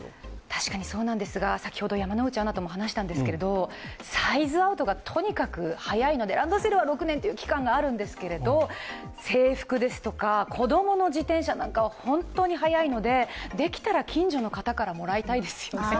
確かにそうなんですが、先ほど山内アナとも話したんですが、サイズアウトがとにかく早いので、ランドセルは６年という期間があるんですけれども、制服ですとか、子どもの自転車なんかはホントに早いので、できたら近所の方からもらいたいですよね。